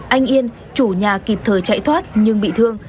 anh yên chủ nhà kịp thời chạy thoát nhưng bị thương